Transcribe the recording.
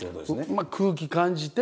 まあ空気感じて。